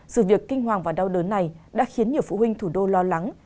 sự việc kinh hoàng và đau đớn này đã khiến nhiều phụ huynh thủ đô lo lắng